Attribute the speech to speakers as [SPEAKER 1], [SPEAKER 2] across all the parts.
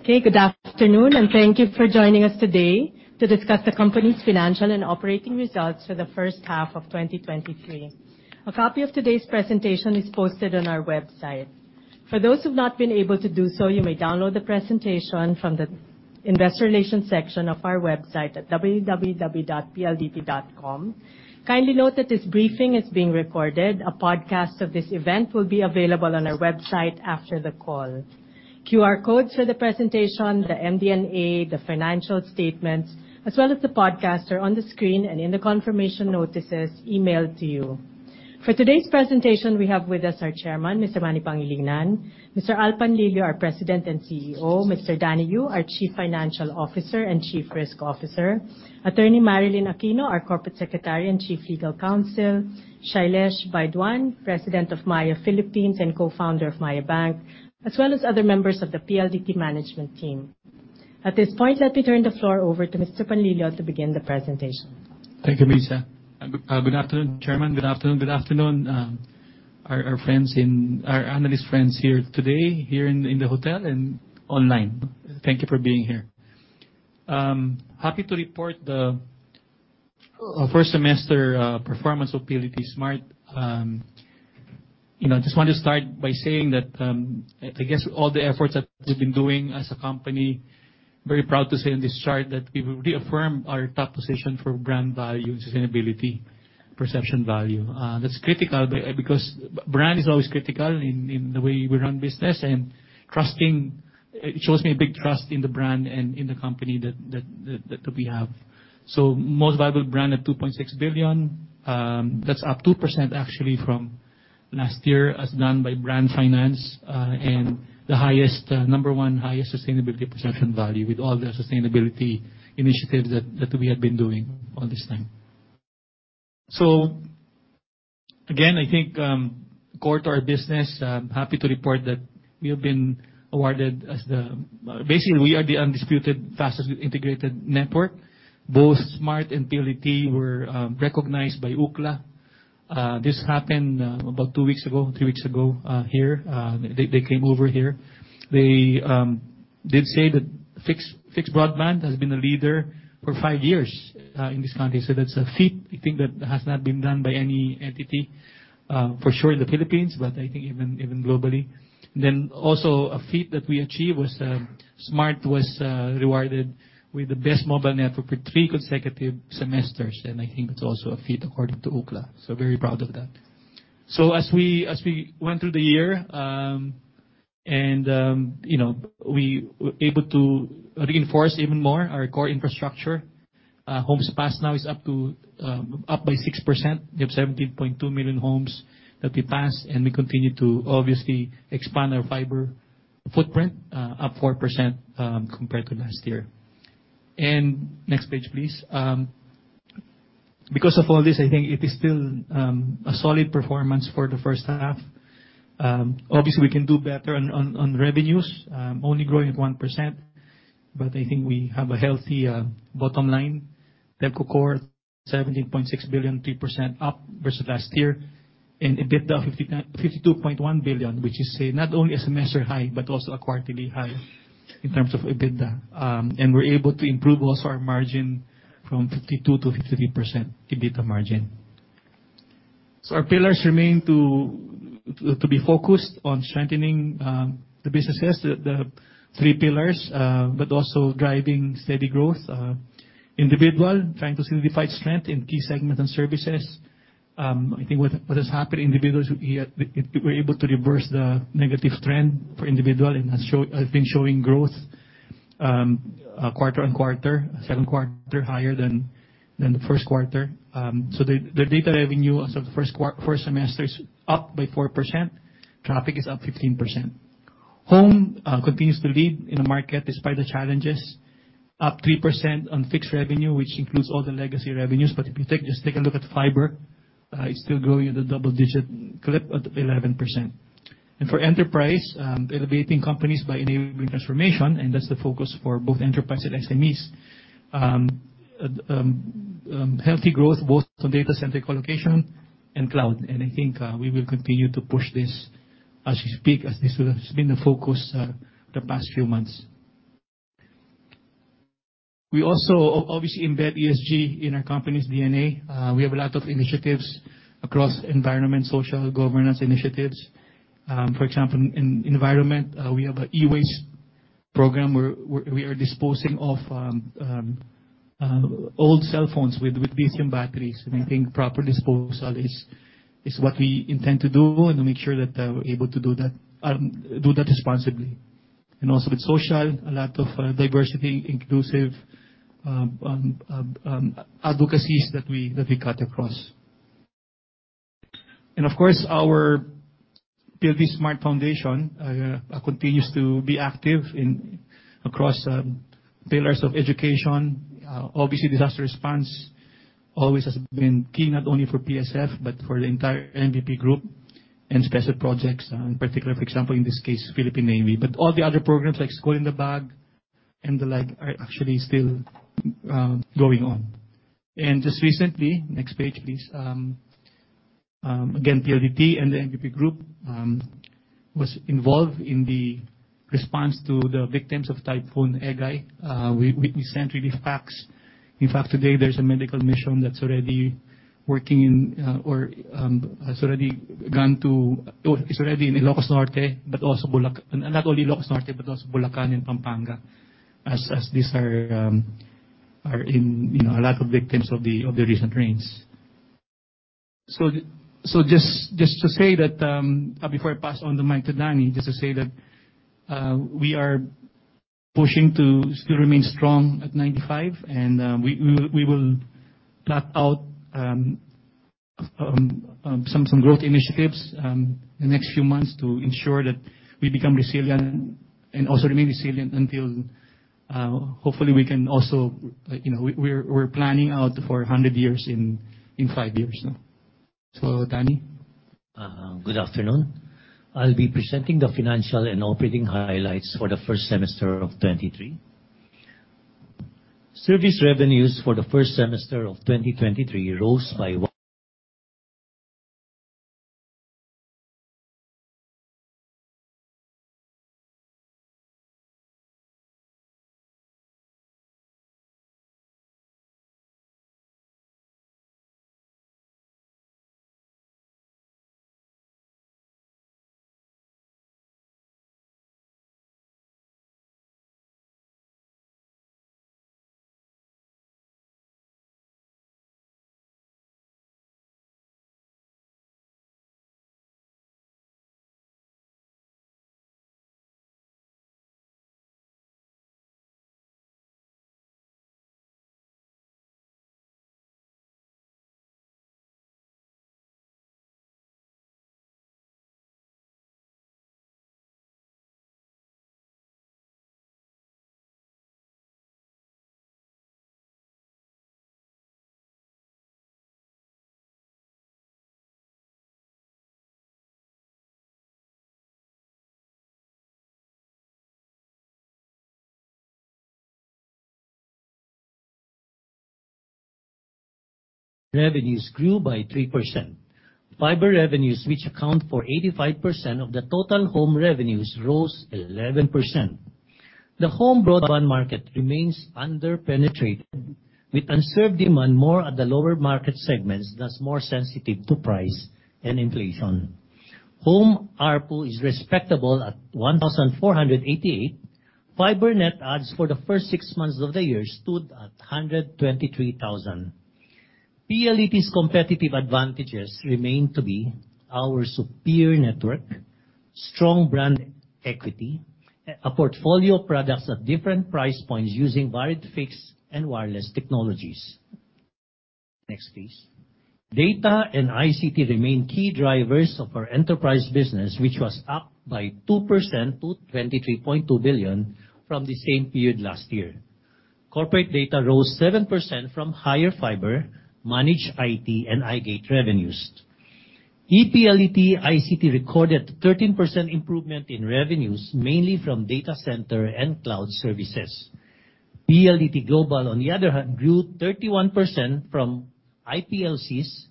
[SPEAKER 1] Okay, good afternoon, thank you for joining us today to discuss the company's financial and operating results for the first half of 2023. A copy of today's presentation is posted on our website. For those who've not been able to do so, you may download the presentation from the Investor Relations section of our website at www.pldt.com. Kindly note that this briefing is being recorded. A podcast of this event will be available on our website after the call. QR codes for the presentation, the MD&A, the financial statements, as well as the podcast, are on the screen and in the confirmation notices emailed to you. For today's presentation, we have with us our Chairman, Mr. Manny Pangilinan; Mr. Alfredo Panlilio, our President and CEO; Mr. Danny Yu, our Chief Financial Officer and Chief Risk Officer; Attorney Marilyn Aquino, our Corporate Secretary and Chief Legal Counsel; Shailesh Baidwan, President of Maya Philippines and co-founder of Maya Bank, as well as other members of the PLDT management team. At this point, let me turn the floor over to Mr. Panlilio to begin the presentation.
[SPEAKER 2] Thank you, Lisa. Good afternoon, Chairman. Good afternoon, good afternoon, our analyst friends here today, here in the hotel and online. Thank you for being here. Happy to report the first semester performance of PLDT Smart. You know, I just want to start by saying that, I guess all the efforts that we've been doing as a company, very proud to say on this chart that we've reaffirmed our top position for brand value and sustainability, perception value. That's critical because brand is always critical in the way we run business, and trusting... It shows me a big trust in the brand and in the company that, that, that, that we have. Most valuable brand at $2.6 billion, that's up 2% actually from last year, as done by Brand Finance, and the number 1 highest sustainability perception value with all the sustainability initiatives that we have been doing all this time. Again, I think, core to our business, I'm happy to report that we have been awarded as the. Basically, we are the undisputed fastest integrated network. Both Smart and PLDT were recognized by Ookla. This happened about two weeks ago, three weeks ago, here. They came over here. They did say that fixed broadband has been a leader for five years in this country. That's a feat I think that has not been done by any entity for sure in the Philippines, but I think even globally. A feat that we achieved was Smart was rewarded with the best mobile network for 3 consecutive semesters, and I think it's also a feat according to Ookla, so very proud of that. As we, as we went through the year, you know, we were able to reinforce even more our core infrastructure. Homes passed now is up to up by 6%. We have 17.2 million homes that we passed, and we continue to obviously expand our fiber footprint up 4% compared to last year. Next page, please. Because of all this, I think it is still a solid performance for the first half. Obviously, we can do better on, on, on revenues, only growing at 1%, but I think we have a healthy bottom line. We have core 17.6 billion, 3% up versus last year. EBITDA 52.1 billion, which is not only a semester high, but also a quarterly high in terms of EBITDA. We're able to improve also our margin from 52%-53% EBITDA margin. Our pillars remain to be focused on strengthening the businesses, the three pillars, also driving steady growth, individual, trying to simplify strength in key segments and services. I think what has happened in individuals, we're able to reverse the negative trend for individual, and has been showing growth quarter-on-quarter, second quarter higher than the first quarter. The data revenue as of the first semester is up by 4%, traffic is up 15%. Home continues to lead in the market despite the challenges, up 3% on fixed revenue, which includes all the legacy revenues. If you just take a look at fiber, it's still growing at a double-digit clip at 11%. For enterprise, elevating companies by enabling transformation, and that's the focus for both enterprise and SMEs. Healthy growth, both on data center colocation and cloud, I think we will continue to push this as we speak, as this has been the focus the past few months. We also obviously embed ESG in our company's DNA. We have a lot of initiatives across environment, social, governance initiatives. For example, in environment, we have an e-waste program where we're disposing off old cell phones with lithium batteries, and I think proper disposal is what we intend to do and to make sure that we're able to do that responsibly. Also with social, a lot of diversity, inclusive advocacies that we cut across. Of course, our PLDT Smart Foundation continues to be active in across pillars of education. Obviously, disaster response always has been key, not only for PSF, but for the entire MVP Group. Special projects, in particular, for example, in this case, Philippine Navy. All the other programs like School in the Bag and the like are actually still going on. Just recently, next page, please, again, PLDT and the MVP Group was involved in the response to the victims of Typhoon Egay. We sent relief packs. In fact, today, there's a medical mission that's already working in, or has already gone to or is already in Ilocos Norte, Not only Ilocos Norte, but also Bulacan and Pampanga, as these are, you know, a lot of victims of the recent rains. Just, just to say that, before I pass on the mic to Danny, just to say that, we are pushing to still remain strong at 95, and, we, we, we will plot out, some, some growth initiatives, the next few months to ensure that we become resilient and also remain resilient until, hopefully, we can also, like, you know, we're, we're planning out for 100 years in, in 5 years now. Danny?
[SPEAKER 3] Good afternoon. I'll be presenting the financial and operating highlights for the first semester of 2023. Service revenues for the first semester of 2023 rose by revenues grew by 3%. Fiber revenues, which account for 85% of the total home revenues, rose 11%. The home broadband market remains underpenetrated, with unserved demand more at the lower market segments, thus more sensitive to price and inflation. Home ARPU is respectable at 1,488. Fiber net adds for the first six months of the year stood at 123,000. PLDT's competitive advantages remain to be our superior network, strong brand equity, a portfolio of products at different price points using wired, fixed, and wireless technologies. Next, please. Data and ICT remain key drivers of our enterprise business, which was up by 2% to 23.2 billion from the same period last year. Corporate data rose 7% from higher fiber, managed IT and iGate revenues. PLDT ICT recorded 13% improvement in revenues, mainly from data center and cloud services. PLDT Global, on the other hand, grew 31% from IPLCs,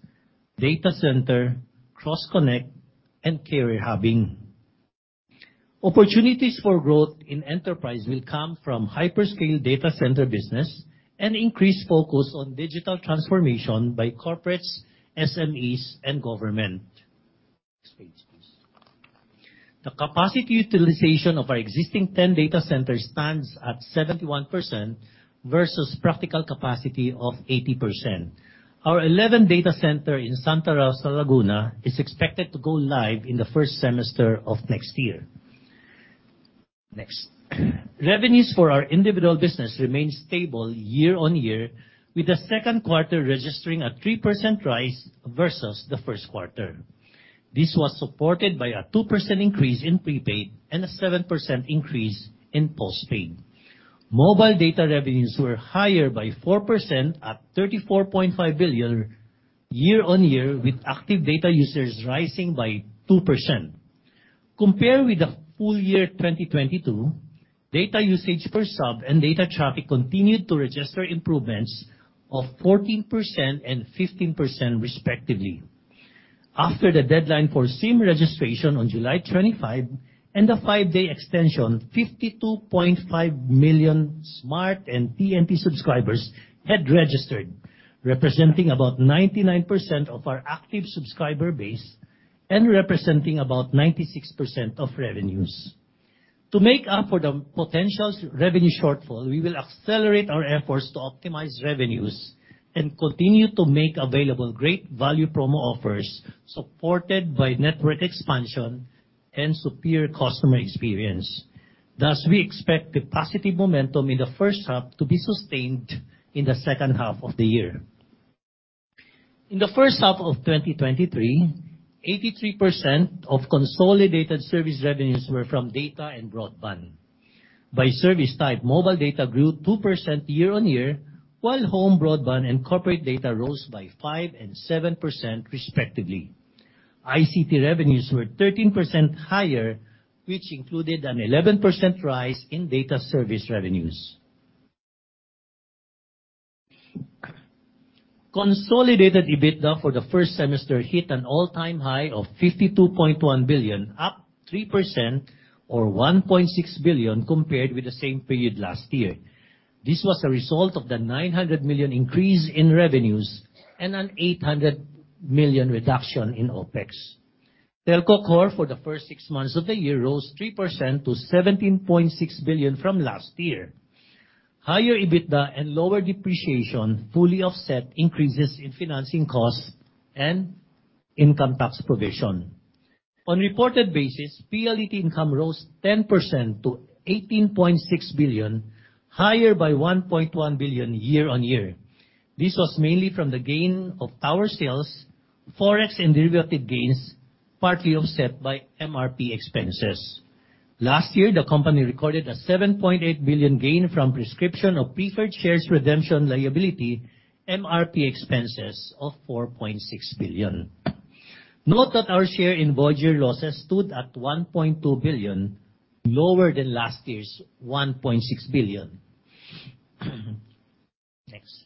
[SPEAKER 3] data center, cross-connect, and carrier hubbing. Opportunities for growth in enterprise will come from hyperscale data center business and increased focus on digital transformation by corporates, SMEs, and government. Next page, please. The capacity utilization of our existing 10 data centers stands at 71% versus practical capacity of 80%. Our 11th data center in Santa Rosa, Laguna, is expected to go live in the first semester of next year. Next. Revenues for our individual business remain stable year-on-year, with the second quarter registering a 3% rise versus the first quarter. This was supported by a 2% increase in prepaid and a 7% increase in postpaid. Mobile data revenues were higher by 4% at 34.5 billion year-on-year, with active data users rising by 2%. Compared with the full year 2022, data usage per sub and data traffic continued to register improvements of 14% and 15%, respectively. After the deadline for SIM Registration on July 25 and the 5-day extension, 52.5 million Smart and TNT subscribers had registered, representing about 99% of our active subscriber base and representing about 96% of revenues. To make up for the potential revenue shortfall, we will accelerate our efforts to optimize revenues and continue to make available great value promo offers, supported by network expansion and superior customer experience. We expect the positive momentum in the first half to be sustained in the second half of the year. In the first half of 2023, 83% of consolidated service revenues were from data and broadband. By service type, mobile data grew 2% year-on-year, while home broadband and corporate data rose by 5% and 7% respectively. ICT revenues were 13% higher, which included an 11% rise in data service revenues. Consolidated EBITDA for the first semester hit an all-time high of 52.1 billion, up 3% or 1.6 billion compared with the same period last year. This was a result of the 900 million increase in revenues and a 800 million reduction in OpEx. Telco core for the first six months of the year rose 3% to 17.6 billion from last year. Higher EBITDA and lower depreciation fully offset increases in financing costs and income tax provision. On reported basis, PLDT income rose 10% to 18.6 billion, higher by 1.1 billion year-on-year. This was mainly from the gain of tower sales, Forex and derivative gains, partly offset by MRP expenses. Last year, the company recorded a 7.8 billion gain from prescription of preferred shares redemption liability, MRP expenses of 4.6 billion. Note that our share in Voyager losses stood at 1.2 billion, lower than last year's 1.6 billion. Next.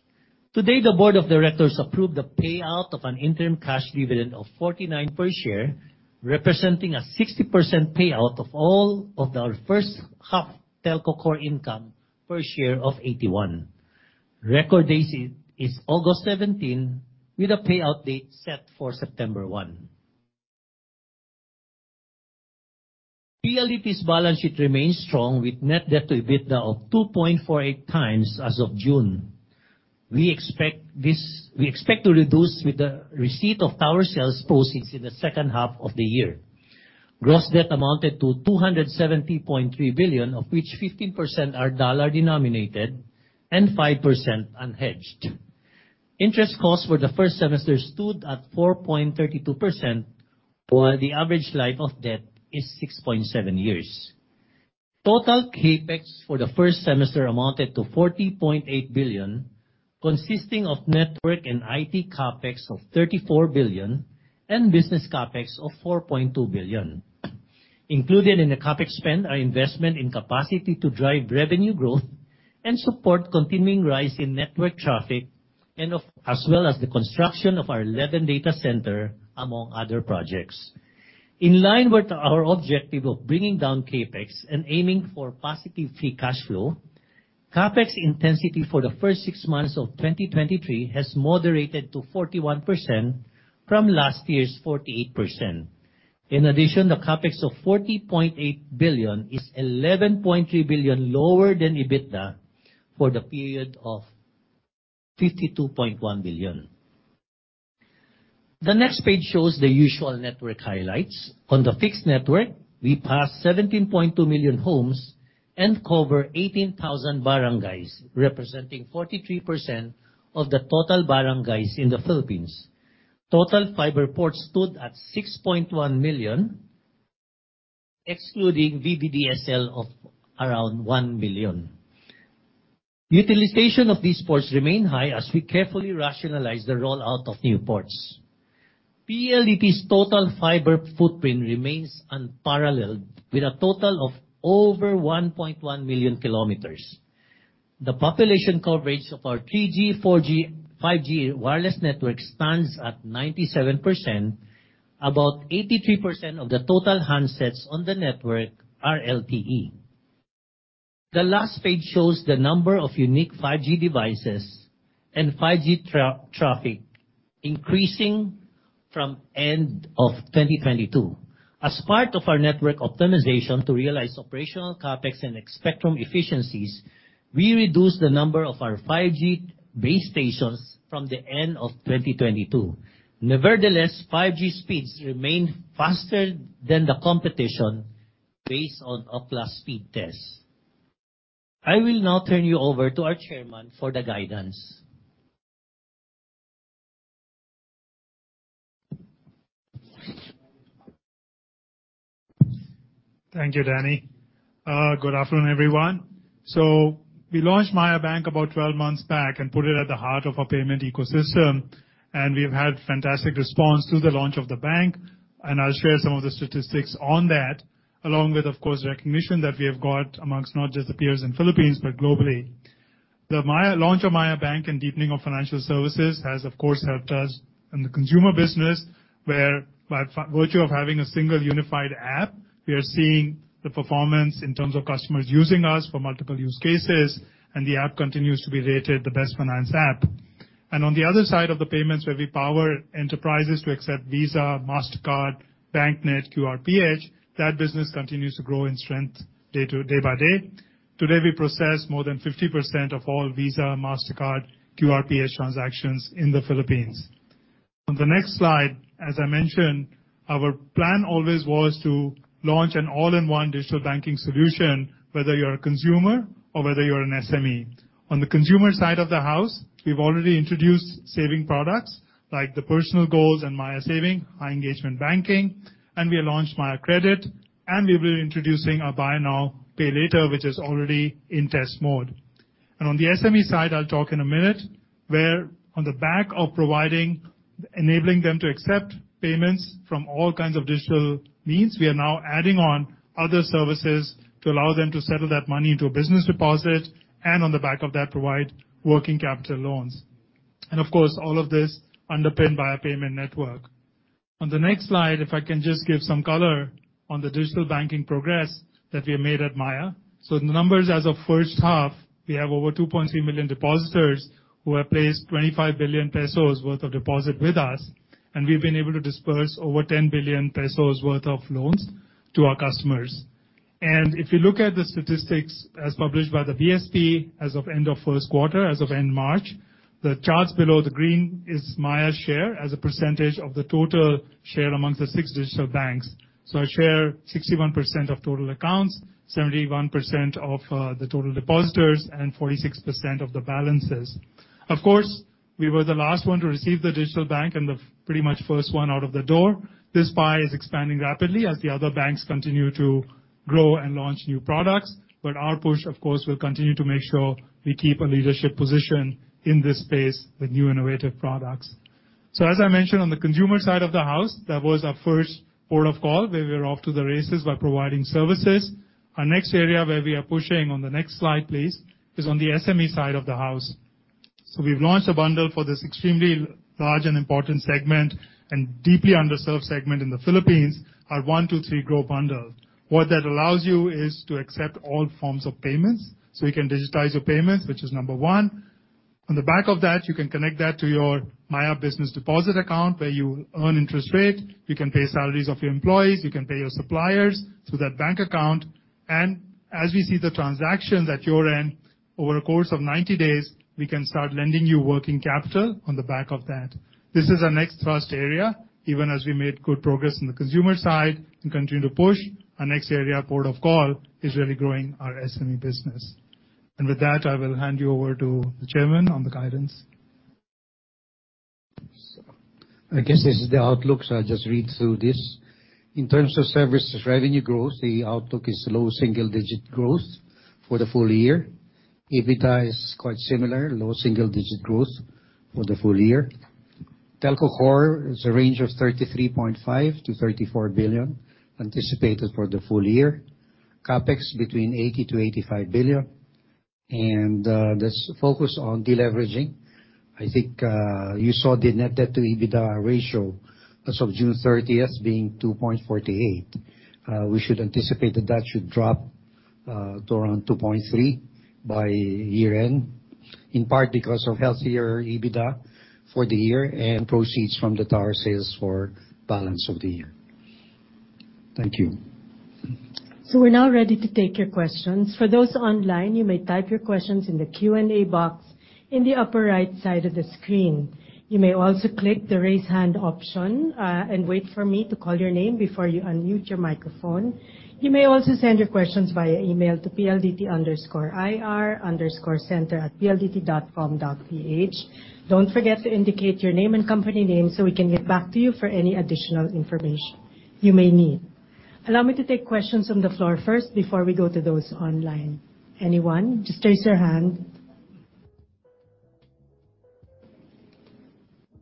[SPEAKER 3] Today, the board of directors approved the payout of an interim cash dividend of 49 per share, representing a 60% payout of all of our first half telco core income per share of 81. Record date is August 17, with a payout date set for September 1. PLDT's balance sheet remains strong, with net debt-to-EBITDA of 2.48x as of June. We expect to reduce with the receipt of tower sales proceeds in the second half of the year. Gross debt amounted to 270.3 billion, of which 15% are dollar-denominated and 5% unhedged. Interest costs for the first semester stood at 4.32%, while the average life of debt is 6.7 years. Total CapEx for the first semester amounted to 40.8 billion, consisting of network and IT CapEx of 34 billion and business CapEx of 4.2 billion. Included in the CapEx spend are investment in capacity to drive revenue growth and support continuing rise in network traffic, as well as the construction of our 11th data center, among other projects. In line with our objective of bringing down CapEx and aiming for positive free cash flow, CapEx intensity for the first 6 months of 2023 has moderated to 41% from last year's 48%. In addition, the CapEx of 40.8 billion is 11.3 billion lower than EBITDA for the period of 52.1 billion. The next page shows the usual network highlights. On the fixed network, we passed 17.2 million homes and cover 18,000 barangays, representing 43% of the total barangays in the Philippines. Total fiber ports stood at 6.1 million, excluding VDSL of around 1 million. Utilization of these ports remain high as we carefully rationalize the rollout of new ports. PLDT's total fiber footprint remains unparalleled, with a total of over 1.1 million kilometers. The population coverage of our 3G, 4G, 5G wireless network stands at 97%. About 83% of the total handsets on the network are LTE. The last page shows the number of unique 5G devices and 5G traffic increasing from end of 2022. As part of our network optimization to realize operational CapEx and spectrum efficiencies, we reduced the number of our 5G base stations from the end of 2022. Nevertheless, 5G speeds remain faster than the competition based on Ookla speed tests. I will now turn you over to our chairman for the guidance.
[SPEAKER 4] Thank you, Danny. Good afternoon, everyone. We launched Maya Bank about 12 months back and put it at the heart of our payment ecosystem, and we've had fantastic response to the launch of the bank. I'll share some of the statistics on that, along with, of course, recognition that we have got amongst not just the peers in Philippines, but globally. The launch of Maya Bank and deepening of financial services has, of course, helped us in the consumer business, where by virtue of having a single unified app, we are seeing the performance in terms of customers using us for multiple use cases, and the app continues to be rated the best finance app. On the other side of the payments, where we power enterprises to accept Visa, Mastercard, BancNet, QRPH, that business continues to grow in strength day by day. Today, we process more than 50% of all Visa, Mastercard, QRPH transactions in the Philippines. On the next slide, as I mentioned, our plan always was to launch an all-in-one digital banking solution, whether you're a consumer or whether you're an SME. On the consumer side of the house, we've already introduced saving products like the personal goals and Maya Saving, high engagement banking. We launched Maya Credit. We will be introducing our Buy Now, Pay Later, which is already in test mode. On the SME side, I'll talk in a minute, where on the back of providing, enabling them to accept payments from all kinds of digital means, we are now adding on other services to allow them to settle that money into a business deposit, and on the back of that, provide working capital loans. Of course, all of this underpinned by a payment network. On the next slide, if I can just give some color on the digital banking progress that we have made at Maya. The numbers as of first half, we have over 2.3 million depositors who have placed 25 billion pesos worth of deposit with us, and we've been able to disperse over 10 billion pesos worth of loans to our customers. If you look at the statistics as published by the BSP as of end of first quarter, as of end March, the charts below, the green is Maya's share as a percentage of the total share amongst the 6 digital banks. I share 61% of total accounts, 71% of the total depositors, and 46% of the balances. Of course, we were the last one to receive the digital bank, and the pretty much first one out of the door. This pie is expanding rapidly as the other banks continue to grow and launch new products. Our push, of course, will continue to make sure we keep a leadership position in this space with new innovative products. As I mentioned on the consumer side of the house, that was our first port of call, where we're off to the races by providing services. Our next area where we are pushing, on the next slide, please, is on the SME side of the house. We've launched a bundle for this extremely large and important segment, and deeply underserved segment in the Philippines, our 1-2-3 Grow bundle. What that allows you is to accept all forms of payments, so you can digitize your payments, which is number 1. On the back of that, you can connect that to your Maya business deposit account, where you earn interest rate. You can pay salaries of your employees, you can pay your suppliers through that bank account, and as we see the transactions at your end, over a course of 90 days, we can start lending you working capital on the back of that. This is our next thrust area, even as we made good progress on the consumer side and continue to push, our next area port of call is really growing our SME business. With that, I will hand you over to the chairman on the guidance.
[SPEAKER 5] I guess this is the outlook, I'll just read through this. In terms of services, revenue growth, the outlook is low double single digit growth for the full year. EBITDA is quite similar, low single digit growth for the full year. Telco core is a range of 33.5 billion-34 billion, anticipated for the full year. CapEx between 80 billion-85 billion. Let's focus on deleveraging. I think you saw the net debt-to-EBITDA ratio as of June 30th being 2.48. We should anticipate that that should drop to around 2.3 by year-end, in part because of healthier EBITDA for the year and proceeds from the tower sales for balance of the year. Thank you.
[SPEAKER 1] We're now ready to take your questions. For those online, you may type your questions in the Q&A box in the upper right side of the screen. You may also click the Raise Hand option and wait for me to call your name before you unmute your microphone. You may also send your questions via email to pldt_ir_center@pldt.com.ph. Don't forget to indicate your name and company name, so we can get back to you for any additional information you may need. Allow me to take questions from the floor first, before we go to those online. Anyone? Just raise your hand.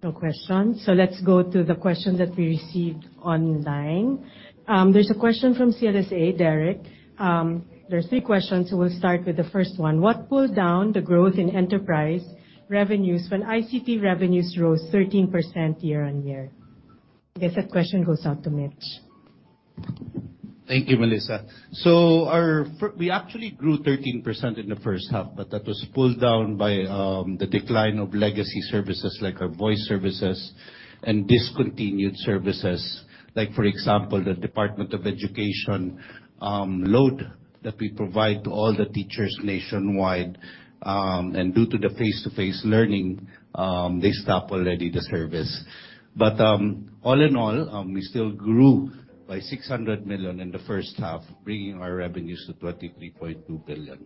[SPEAKER 1] No questions. Let's go to the questions that we received online. There's a question from CLSA, Derek. There are three questions, so we'll start with the first one. What pulled down the growth in enterprise revenues when ICT revenues rose 13% year-over-year? I guess that question goes out to Mitch.
[SPEAKER 6] Thank you, Melissa. Our we actually grew 13% in the first half, but that was pulled down by the decline of legacy services, like our voice services and discontinued services. Like, for example, the Department of Education load that we provide to all the teachers nationwide, and due to the face-to-face learning, they stop already the service. All in all, we still grew by 600 million in the first half, bringing our revenues to 23.2 billion.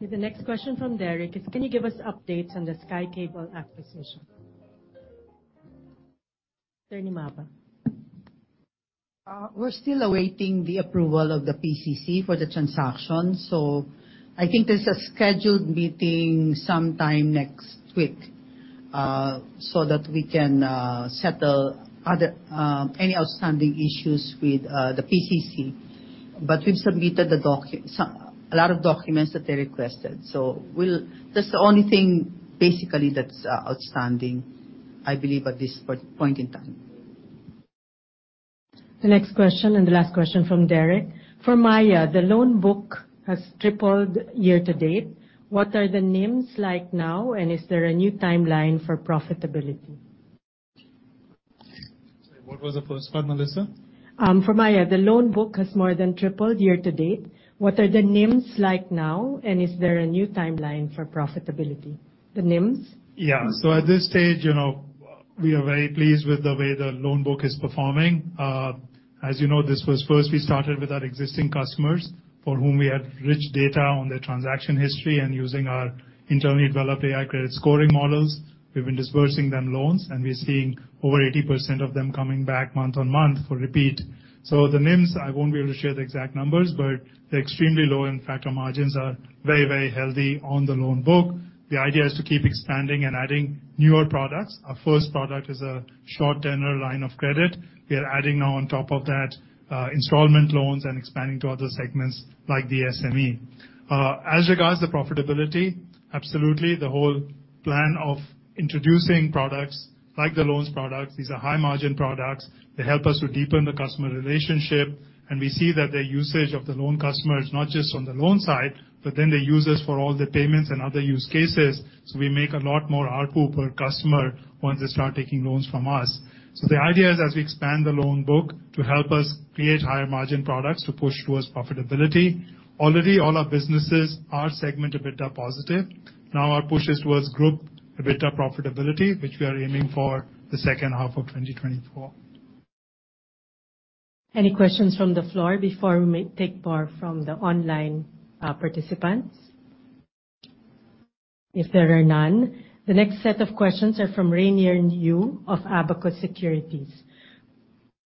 [SPEAKER 1] The next question from Derek is: Can you give us updates on the Sky Cable acquisition? Attorney Mapa.
[SPEAKER 6] We're still awaiting the approval of the PCC for the transaction, so I think there's a scheduled meeting sometime next week, so that we can settle other any outstanding issues with the PCC. We've submitted a lot of documents that they requested. We'll... That's the only thing basically that's outstanding, I believe, at this point in time.
[SPEAKER 1] The next question and the last question from Derek: For Maya, the loan book has tripled year to date. What are the NIMs like now, and is there a new timeline for profitability?
[SPEAKER 4] Sorry, what was the first part, Melissa?
[SPEAKER 1] For Maya, the loan book has more than tripled year to date. What are the NIMs like now, and is there a new timeline for profitability? The NIMs?
[SPEAKER 4] Yeah. At this stage, you know, we are very pleased with the way the loan book is performing. As you know, this was first, we started with our existing customers, for whom we had rich data on their transaction history and using our internally developed AI credit scoring models. We've been dispersing them loans, and we're seeing over 80% of them coming back month on month for repeat.... The NIMs, I won't be able to share the exact numbers, but the extremely low and factor margins are very, very healthy on the loan book. The idea is to keep expanding and adding newer products. Our first product is a short-term line of credit. We are adding now on top of that, installment loans and expanding to other segments like the SME. As regards the profitability, absolutely, the whole plan of introducing products like the loans products, these are high margin products. They help us to deepen the customer relationship. We see that the usage of the loan customer is not just on the loan side, but then they use us for all the payments and other use cases. We make a lot more ARPU per customer once they start taking loans from us. The idea is, as we expand the loan book, to help us create higher margin products to push towards profitability. Already all our businesses are segment EBITDA positive. Now, our push is towards group EBITDA profitability, which we are aiming for the second half of 2024.
[SPEAKER 1] Any questions from the floor before we may take more from the online participants? If there are none, the next set of questions are from Rainier Yu of Abacus Securities.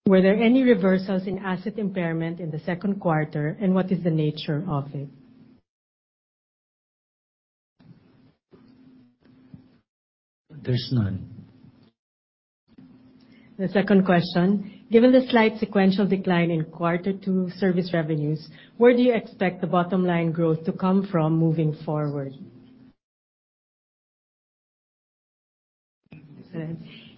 [SPEAKER 1] Were there any reversals in asset impairment in the second quarter, and what is the nature of it?
[SPEAKER 3] There's none.
[SPEAKER 1] The second question: Given the slight sequential decline in quarter two service revenues, where do you expect the bottom line growth to come from moving forward?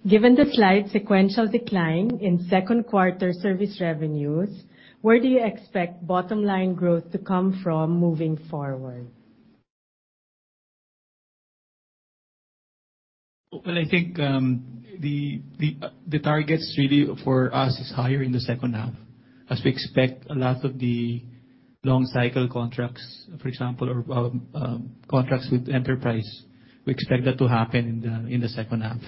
[SPEAKER 1] Given the slight sequential decline in second quarter service revenues, where do you expect bottom line growth to come from moving forward?
[SPEAKER 2] Well, I think, the targets really for us is higher in the second half, as we expect a lot of the long cycle contracts, for example, or contracts with Enterprise, we expect that to happen in the second half.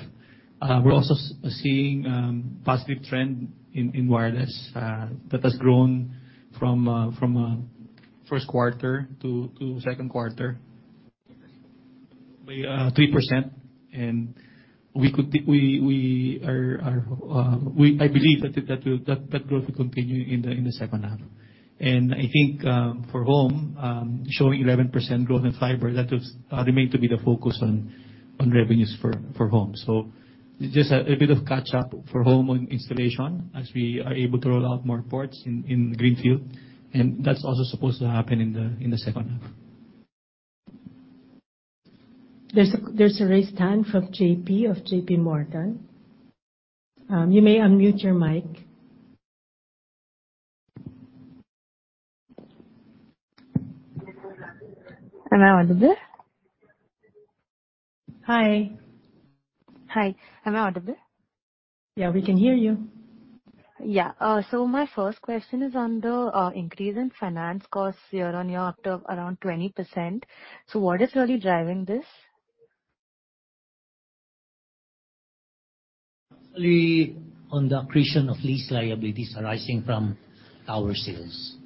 [SPEAKER 2] We're also seeing positive trend in wireless that has grown from a first quarter to second quarter by 3%. We could think we are, I believe that will, that growth will continue in the second half. I think, for home, showing 11% growth in fiber, that was remain to be the focus on revenues for home. Just a bit of catch up for home on installation as we are able to roll out more ports in Greenfield, and that's also supposed to happen in the second half.
[SPEAKER 1] There's a, there's a raised hand from JP of JP Morgan. You may unmute your mic.
[SPEAKER 7] Am I audible?
[SPEAKER 1] Hi.
[SPEAKER 7] Hi, am I audible?
[SPEAKER 1] Yeah, we can hear you.
[SPEAKER 7] My first question is on the increase in finance costs year on year of around 20%. What is really driving this?
[SPEAKER 3] Actually, on the accretion of lease liabilities arising from our sales.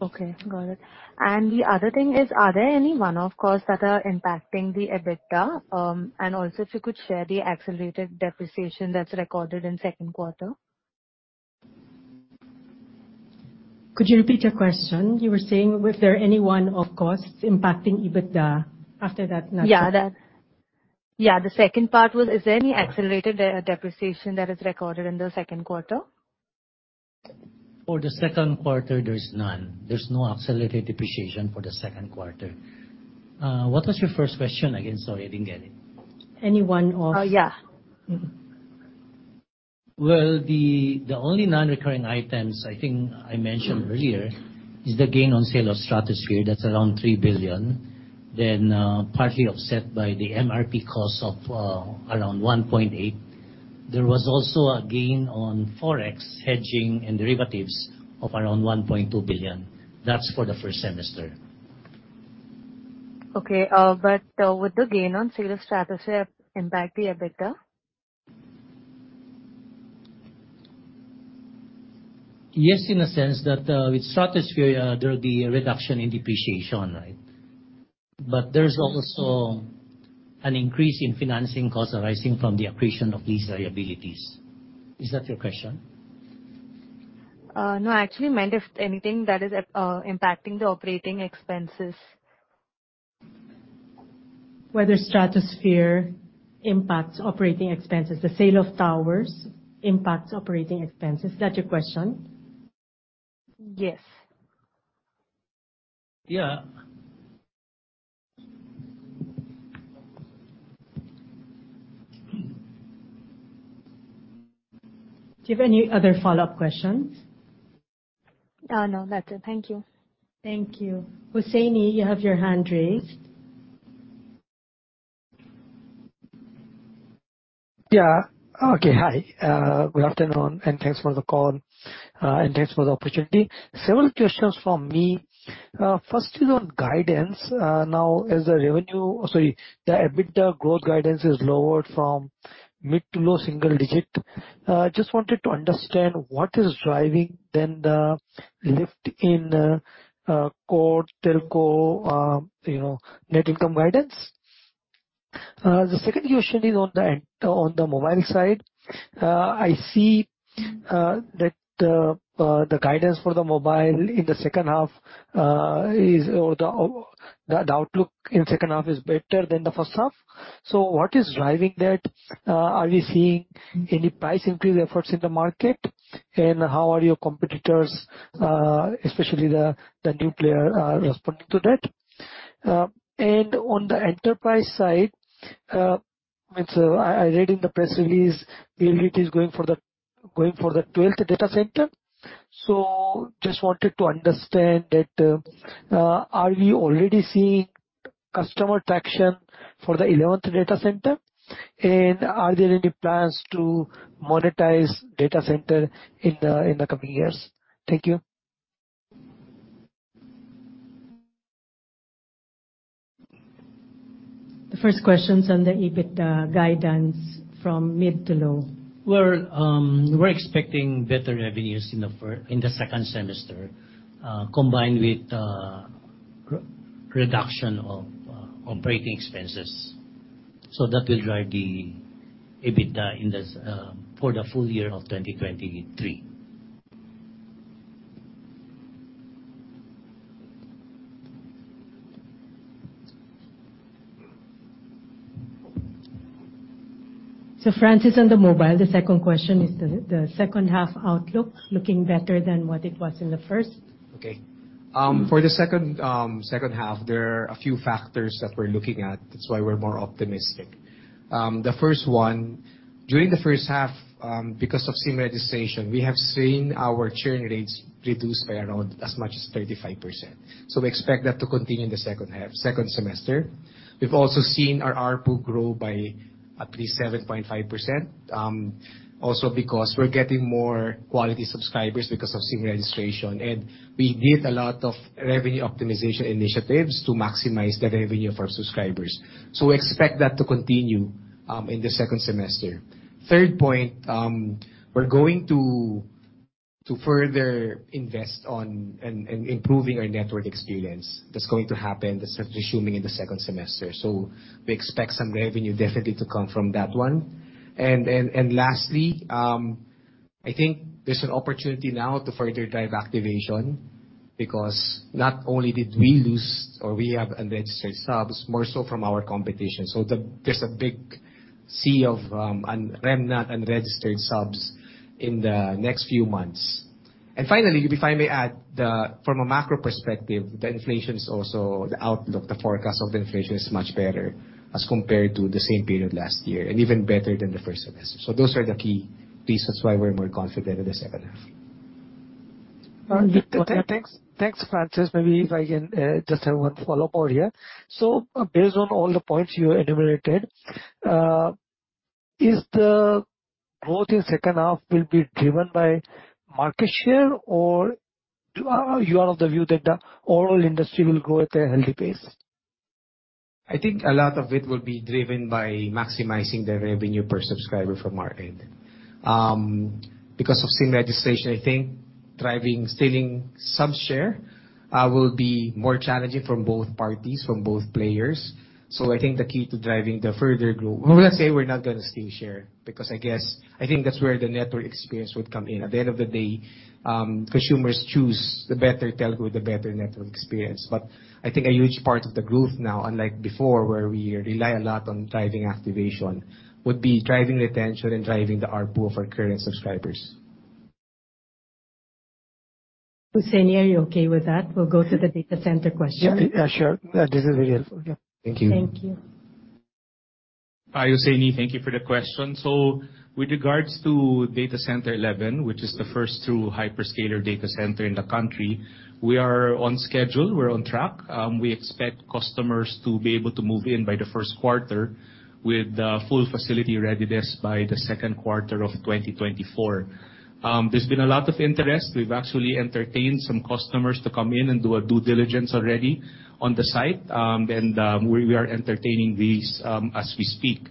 [SPEAKER 7] Okay, got it. The other thing is, are there any one-off costs that are impacting the EBITDA? Also if you could share the accelerated depreciation that's recorded in second quarter.
[SPEAKER 1] Could you repeat your question? You were saying, was there any one-off costs impacting EBITDA after that?
[SPEAKER 7] Yeah, the second part was, is there any accelerated depreciation that is recorded in the second quarter?
[SPEAKER 3] For the second quarter, there's none. There's no accelerated depreciation for the second quarter. What was your first question again? Sorry, I didn't get it.
[SPEAKER 1] Any one-off?
[SPEAKER 7] Yeah.
[SPEAKER 3] Well, the, the only non-recurring items I think I mentioned earlier is the gain on sale of Stratosphere, that's around 3 billion, then, partly offset by the MRP cost of around 1.8 billion. There was also a gain on Forex hedging and derivatives of around 1.2 billion. That's for the first semester.
[SPEAKER 7] Okay, would the gain on sale of Stratosphere impact the EBITDA?
[SPEAKER 3] Yes, in a sense that, with Stratosphere, there will be a reduction in depreciation, right? There's also an increase in financing costs arising from the accretion of these liabilities. Is that your question?
[SPEAKER 7] No, I actually meant if anything that is, impacting the operating expenses.
[SPEAKER 1] Whether Stratosphere impacts operating expenses, the sale of towers impacts operating expenses. Is that your question?
[SPEAKER 7] Yes.
[SPEAKER 3] Yeah.
[SPEAKER 1] Do you have any other follow-up questions?
[SPEAKER 7] No, that's it. Thank you.
[SPEAKER 1] Thank you. Hussaini, you have your hand raised.
[SPEAKER 8] Yeah. Okay, hi, good afternoon, and thanks for the call. Thanks for the opportunity. Several questions from me. First is on guidance. Now, as the revenue-- Sorry, the EBITDA growth guidance is lowered from mid to low single digit. Just wanted to understand what is driving then the lift in, core telco, you know, net income guidance? The second question is on the end, on the mobile side. I see that the guidance for the mobile in the second half is, or the outlook in second half is better than the first half. What is driving that? Are we seeing any price increase efforts in the market? How are your competitors, especially the new player, responding to that? On the enterprise side, it's, I read in the press release, PLDT is going for the, going for the 12th data center. Just wanted to understand that, are we already seeing customer traction for the 11th data center? Are there any plans to monetize data center in the coming years? Thank you.
[SPEAKER 1] The first question's on the EBIT guidance from mid to low.
[SPEAKER 3] We're, we're expecting better revenues in the second semester, combined with, reduction of, operating expenses. That will drive the EBITDA for the full year of 2023.
[SPEAKER 1] Francis, on the mobile, the second question is the, the second half outlook looking better than what it was in the first?
[SPEAKER 6] Okay. For the second, second half, there are a few factors that we're looking at. That's why we're more optimistic. The first one, during the first half, because of SIM Registration, we have seen our churn rates reduce by around as much as 35%, so we expect that to continue in the second half, second semester. We've also seen our ARPU grow by at least 7.5%, also because we're getting more quality subscribers because of SIM Registration. We did a lot of revenue optimization initiatives to maximize the revenue of our subscribers. We expect that to continue in the second semester. Third point, we're going to further invest on and improving our network experience. That's going to happen, that's assuming in the second semester. We expect some revenue definitely to come from that one.
[SPEAKER 1] Lastly, I think there's an opportunity now to further drive activation, because not only did we lose or we have unregistered subs, more so from our competition. There's a big sea of remnant unregistered subs in the next few months. Finally, if I may add, from a macro perspective, the inflation is also the outlook. The forecast of inflation is much better as compared to the same period last year, and even better than the first semester. Those are the key pieces why we're more confident in the second half.
[SPEAKER 8] Okay, thanks. Thanks, Francis. Maybe if I can just have one follow-up over here. Based on all the points you enumerated, is the growth in second half will be driven by market share, or do you are of the view that the overall industry will grow at a healthy pace?
[SPEAKER 6] I think a lot of it will be driven by maximizing the revenue per subscriber from our end. Because of SIM Registration, I think driving, stealing sub share, will be more challenging from both parties, from both players. I think the key to driving the further growth-- Well, let's say we're not gonna steal share, because I guess I think that's where the network experience would come in. At the end of the day, consumers choose the better telco, the better network experience. I think a huge part of the growth now, unlike before, where we rely a lot on driving activation, would be driving retention and driving the ARPU of our current subscribers.
[SPEAKER 1] Husseini, are you okay with that? We'll go to the data center question.
[SPEAKER 8] Yeah. Yeah, sure. This is very helpful. Yeah.
[SPEAKER 1] Thank you. Thank you. Hi, Husseini, thank you for the question. With regards to data center 11, which is the 1st true hyperscaler data center in the country, we are on schedule, we're on track. We expect customers to be able to move in by the 1st quarter, with the full facility readiness by the 2nd quarter of 2024. There's been a lot of interest. We've actually entertained some customers to come in and do a due diligence already on the site. And we are entertaining these as we speak.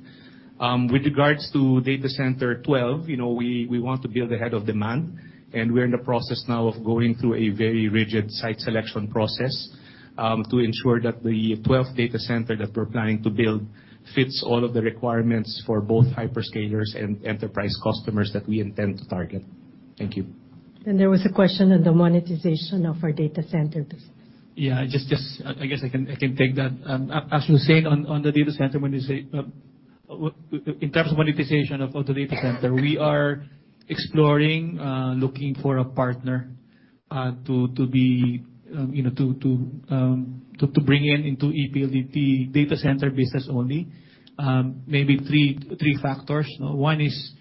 [SPEAKER 1] With regards to data center 12, you know, we, we want to build ahead of demand, and we're in the process now of going through a very rigid site selection process, to ensure that the 12th data center that we're planning to build fits all of the requirements for both hyperscalers and enterprise customers that we intend to target. Thank you. There was a question on the monetization of our data center.
[SPEAKER 2] Yeah, just, just... I, I guess I can, I can take that. As you said, on, on the data center, when you say, in terms of monetization of all the data center, we are exploring, looking for a partner, to, to be, you know, to, to, to, to bring in into PLDT data center business only. Maybe three, three factors. One is,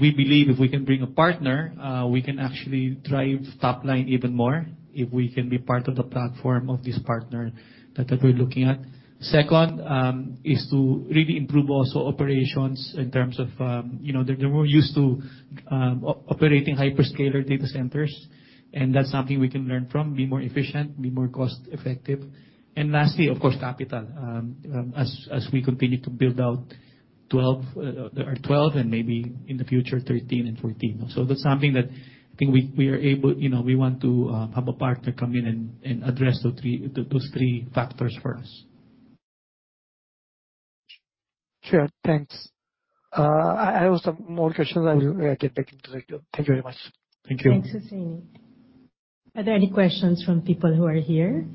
[SPEAKER 2] we believe if we can bring a partner, we can actually drive top line even more, if we can be part of the platform of this partner that, that we're looking at. Second, is to really improve also operations in terms of, you know, they're, they're more used to, operating hyperscaler data centers, and that's something we can learn from, be more efficient, be more cost-effective. And lastly, of course, capital. As we continue to build out 12, or 12, and maybe in the future, 13 and 14. That's something that I think we, we are able-- you know, we want to have a partner come in and, and address those 3, those 3 factors for us.
[SPEAKER 8] Sure, thanks. I, I also have more questions, and I'll get back to you. Thank you very much.
[SPEAKER 2] Thank you.
[SPEAKER 1] Thanks, Hussaini. Are there any questions from people who are here?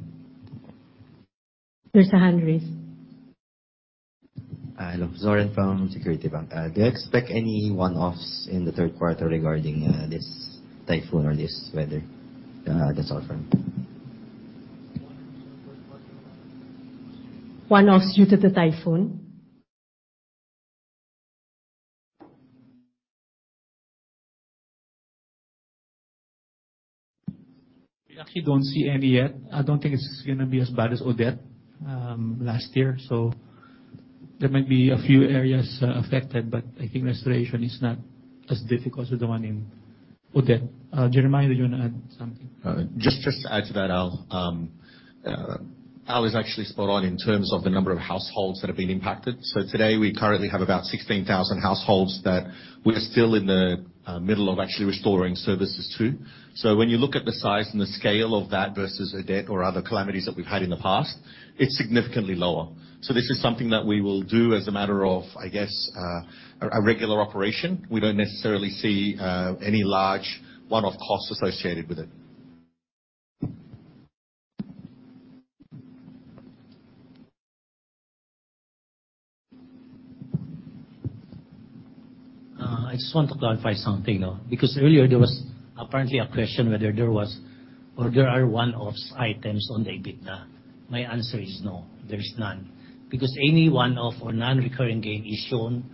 [SPEAKER 1] There's a hand raised.
[SPEAKER 9] Hi, I'm Zorin from Securities Bank. Do you expect any one-offs in the third quarter regarding, this typhoon or this weather? That's all from me.
[SPEAKER 1] One-offs due to the typhoon?
[SPEAKER 2] We actually don't see any yet. I don't think it's gonna be as bad as Odette last year, so there might be a few areas affected, but I think restoration is not as difficult as the one in Odette. Jeremiah, do you want to add something?
[SPEAKER 1] Just, just to add to that, Al, Al is actually spot on in terms of the number of households that have been impacted. Today, we currently have about 16,000 households that we're still in the middle of actually restoring services to. When you look at the size and the scale of that versus Odette or other calamities that we've had in the past, it's significantly lower. This is something that we will do as a matter of, I guess, a, a regular operation. We don't necessarily see any large one-off costs associated with it.
[SPEAKER 3] I just want to clarify something, though, because earlier there was apparently a question whether there was or there are one-offs items on the EBITDA. My answer is no, there is none, because any one-off or non-recurring gain is shown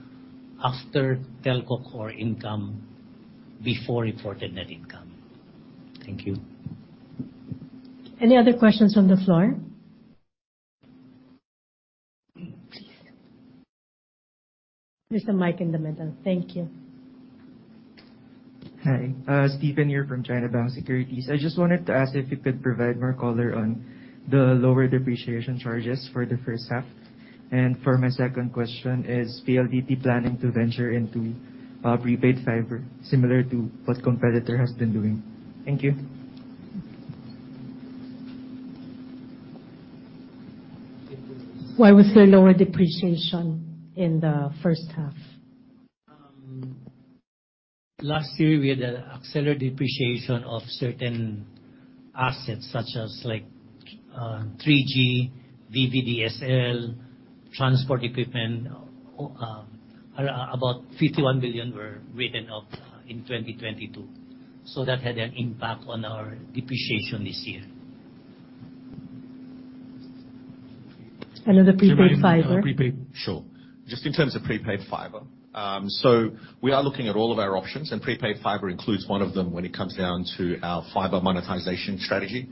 [SPEAKER 3] after Telco core income, before reported net income. Thank you.
[SPEAKER 1] Any other questions on the floor? Please. Mr. Mike in the middle. Thank you.
[SPEAKER 10] Hi, Steven here from China Bank Securities. I just wanted to ask if you could provide more color on the lower depreciation charges for the first half. For my second question, is PLDT planning to venture into prepaid fiber, similar to what competitor has been doing? Thank you.
[SPEAKER 1] Why was there lower depreciation in the first half?
[SPEAKER 3] Last year, we had an accelerated depreciation of certain assets, such as, like, 3G, VDSL, transport equipment. About 51 billion were written off in 2022, so that had an impact on our depreciation this year.
[SPEAKER 1] The prepaid fiber.
[SPEAKER 6] Prepaid. Sure. Just in terms of prepaid fiber, so we are looking at all of our options, and prepaid fiber includes one of them when it comes down to our fiber monetization strategy.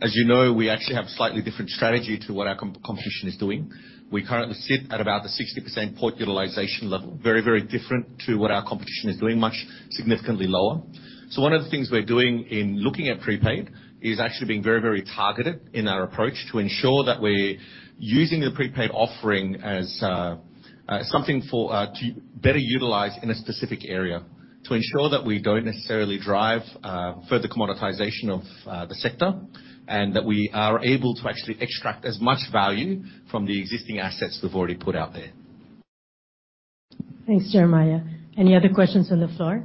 [SPEAKER 6] As you know, we actually have a slightly different strategy to what our competition is doing. We currently sit at about the 60% port utilization level, very, very different to what our competition is doing, much significantly lower. So one of the things we're doing in looking at prepaid is actually being very, very targeted in our approach to ensure that we're using the prepaid offering as something for to better utilize in a specific area. To ensure that we don't necessarily drive further commoditization of the sector, and that we are able to actually extract as much value from the existing assets we've already put out there.
[SPEAKER 1] Thanks, Jeremiah. Any other questions on the floor?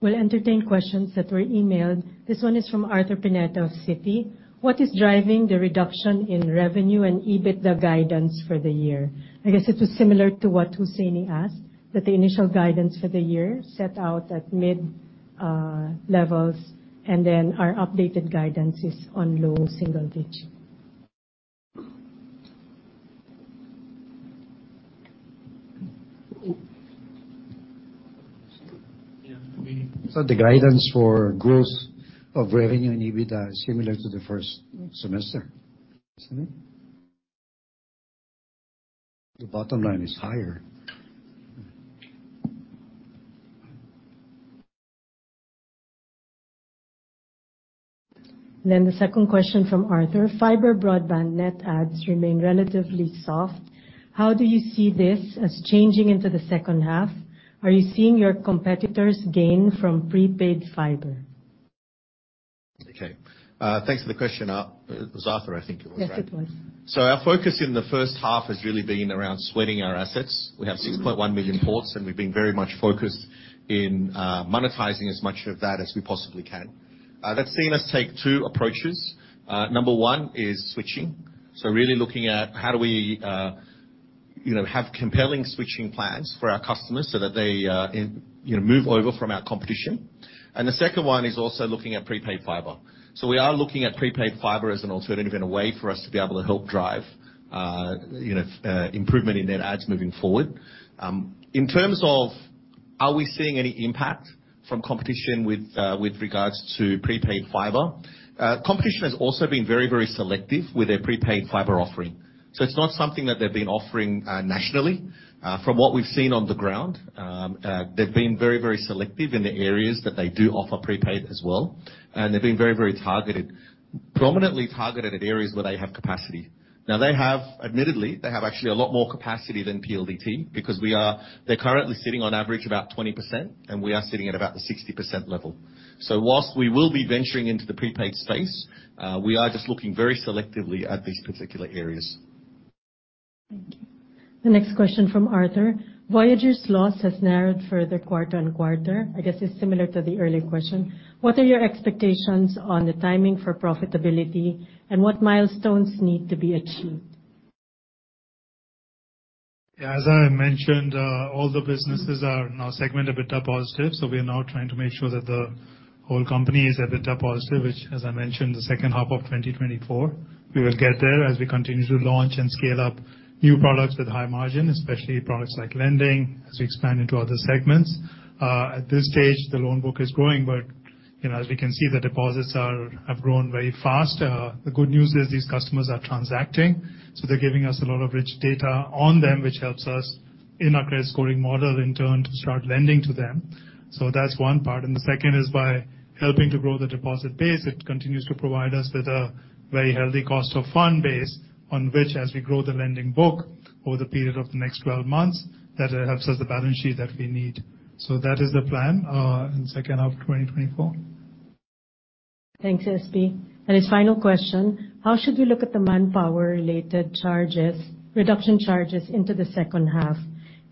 [SPEAKER 1] We'll entertain questions that were emailed. This one is from Arthur Pineda of Citi. What is driving the reduction in revenue and EBITDA guidance for the year? I guess it was similar to what Hussaini asked, that the initial guidance for the year set out at mid levels, and then our updated guidance is on low single digit.
[SPEAKER 2] Yeah, the guidance for growth of revenue and EBITDA is similar to the first semester. Isn't it?
[SPEAKER 3] The bottom line is higher.
[SPEAKER 1] The second question from Arthur: Fiber broadband net adds remain relatively soft. How do you see this as changing into the second half? Are you seeing your competitors gain from prepaid fiber? Okay. thanks for the question, it was Arthur, I think it was, right? Yes, it was. Our focus in the first half has really been around sweating our assets. We have 6.1 million ports, and we've been very much focused in monetizing as much of that as we possibly can. That's seen us take two approaches. Number one is switching. Really looking at how do we, you know, have compelling switching plans for our customers so that they, you know, move over from our competition. The second one is also looking at prepaid fiber. We are looking at prepaid fiber as an alternative and a way for us to be able to help drive, you know, improvement in net adds moving forward. In terms of, are we seeing any impact from competition with regards to prepaid fiber? Competition has also been very, very selective with their prepaid fiber offering. It's not something that they've been offering, nationally. From what we've seen on the ground, they've been very, very selective in the areas that they do offer prepaid as well, and they've been very, very targeted....
[SPEAKER 5] prominently targeted at areas where they have capacity. They have, admittedly, they have actually a lot more capacity than PLDT, because they're currently sitting on average about 20%, and we are sitting at about the 60% level. Whilst we will be venturing into the prepaid space, we are just looking very selectively at these particular areas.
[SPEAKER 1] Thank you. The next question from Arthur: Voyager's loss has narrowed further quarter and quarter. I guess, it's similar to the earlier question. What are your expectations on the timing for profitability, and what milestones need to be achieved?
[SPEAKER 4] As I mentioned, all the businesses are now segment EBITDA positive, so we are now trying to make sure that the whole company is at EBITDA positive, which, as I mentioned, the second half of 2024. We will get there as we continue to launch and scale up new products with high margin, especially products like lending, as we expand into other segments. At this stage, the loan book is growing, but, you know, as we can see, the deposits have grown very fast. The good news is these customers are transacting, so they're giving us a lot of rich data on them, which helps us in our credit scoring model, in turn, to start lending to them. That's one part. The second is by helping to grow the deposit base, it continues to provide us with a very healthy cost of fund base, on which as we grow the lending book over the period of the next 12 months, that helps us the balance sheet that we need. That is the plan in the second half of 2024.
[SPEAKER 1] Thanks, SP. His final question: How should we look at the manpower-related charges, reduction charges into the second half?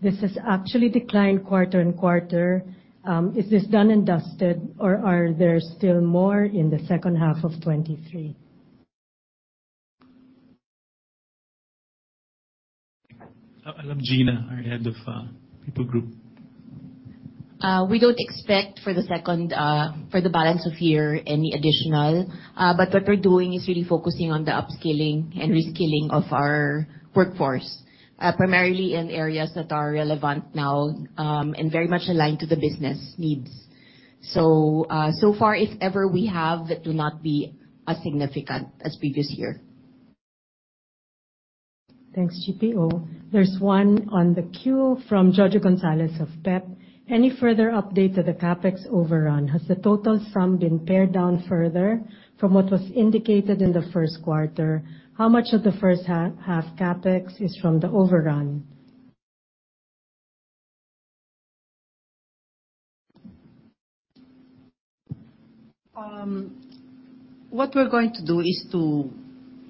[SPEAKER 1] This has actually declined quarter and quarter. Is this done and dusted, or are there still more in the second half of 2023?
[SPEAKER 2] I'll have Gina, our head of people group.
[SPEAKER 6] We don't expect for the second for the balance of year, any additional. What we're doing is really focusing on the upskilling and reskilling of our workforce, primarily in areas that are relevant now, and very much aligned to the business needs. So far, if ever we have, it will not be as significant as previous year.
[SPEAKER 1] Thanks, CPO. There's one on the queue from Jojo Gonzalez of Pep. Any further update to the CapEx overrun? Has the total sum been pared down further from what was indicated in the first quarter? How much of the first half CapEx is from the overrun? What we're going to do is to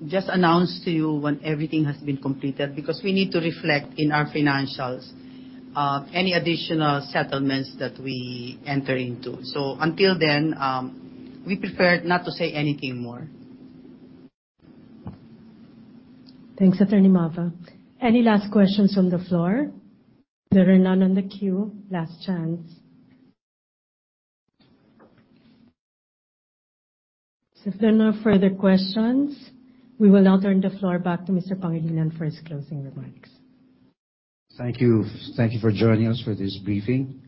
[SPEAKER 1] just announce to you when everything has been completed, because we need to reflect in our financials, any additional settlements that we enter into. Until then, we prefer not to say anything more. Thanks, Attorney Aquino. Any last questions from the floor? There are none on the queue. Last chance. If there are no further questions, we will now turn the floor back to Mr. Pangilinan for his closing remarks.
[SPEAKER 5] Thank you. Thank you for joining us for this briefing.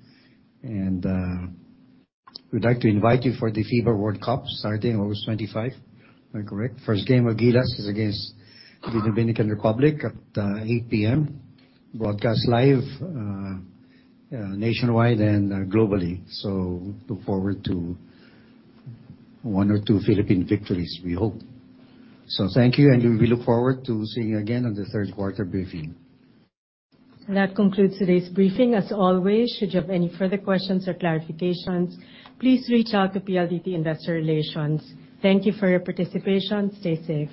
[SPEAKER 5] we'd like to invite you for the FIBA World Cup, starting August 25. Am I correct? First game, Gilas, is against the Dominican Republic at 8:00 P.M. Broadcast live, nationwide and globally. Look forward to one or two Philippine victories, we hope. Thank you, and we look forward to seeing you again on the third quarter briefing.
[SPEAKER 1] That concludes today's briefing. As always, should you have any further questions or clarifications, please reach out to PLDT Investor Relations. Thank you for your participation. Stay safe.